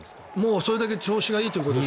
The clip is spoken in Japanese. それだけ調子がいいということです。